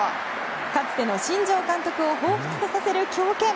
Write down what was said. かつての新庄監督をほうふつとさせる強肩。